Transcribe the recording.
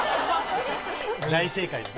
大正解です。